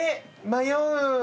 迷う。